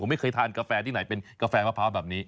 ไม่เคยทานกาแฟที่ไหนเป็นกาแฟมะพร้าวแบบนี้